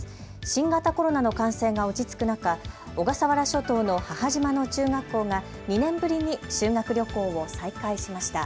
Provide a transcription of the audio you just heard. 新型コロナの感染が落ち着く中、小笠原諸島の母島の中学校が２年ぶりに修学旅行を再開しました。